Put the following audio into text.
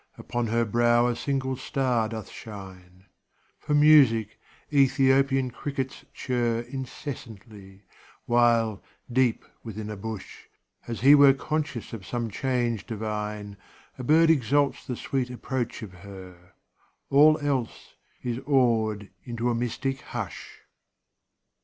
Upon her brow a single star doth shine; For music, Ethiopian crickets chirr Incessantly, while, deep within a bush, As he were conscious of some change divine, A bird exalts the sweet approach of her; All else is awed into a mystic hush.